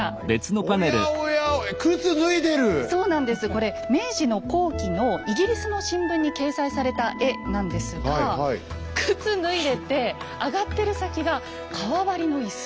これ明治の後期のイギリスの新聞に掲載された絵なんですが靴脱いでて上がってる先が革張りの椅子。